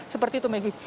seperti itu meggy